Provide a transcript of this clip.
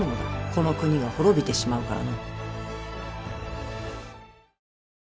この国が滅びてしまうからの。